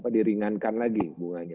di ringankan lagi bunganya